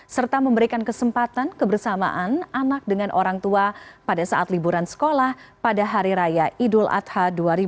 serta memberikan kesempatan kebersamaan anak dengan orang tua pada saat liburan sekolah pada hari raya idul adha dua ribu dua puluh